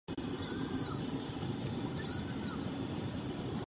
Období této vlády však po čtrnácti týdnech ukončila jeho smrt.